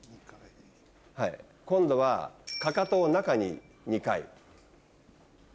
今度はかかとを中に２回。